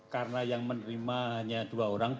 karena yang menerima hanya dua orang